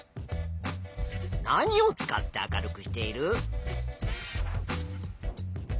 何を使って明るくしている？